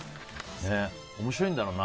面白いんだろうな。